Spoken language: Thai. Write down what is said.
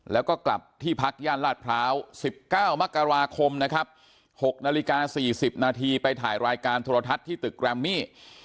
แล้วก็กลับที่พักย่านลาดพร้าว๑๙มกราคมนะครับ๖นาฬิกา๔๐นาทีไปถ่ายรายการโทรทัศน์ที่ตึกแรมมี่